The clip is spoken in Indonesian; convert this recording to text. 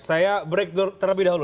saya break terlebih dahulu